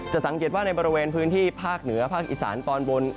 สังเกตว่าในบริเวณพื้นที่ภาคเหนือภาคอีสานตอนบน